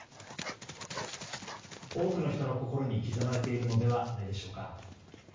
多くの人の心に刻まれているのではないでしょうか。